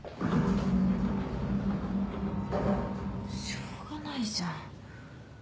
しょうがないじゃん。